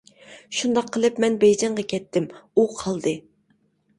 شۇنداق قىلىپ مەن بېيجىڭغا كەتتىم، ئۇ قالدى.